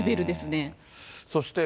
そして